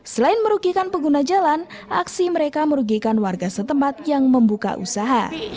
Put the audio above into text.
selain merugikan pengguna jalan aksi mereka merugikan warga setempat yang membuka usaha